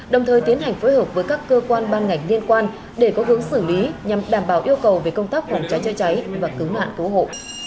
đồng thời tiến hành phối hợp với các cơ quan ban ngành liên quan để có hướng xử lý nhằm đảm bảo yêu cầu về công tác phòng cháy chữa cháy và cứu nạn cứu hộ